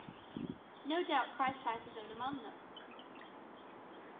"No doubt Christ has his own amongst them."